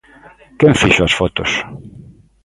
Quen fixo as fotos?